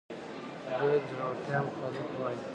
به د زړورتیا مخالف وای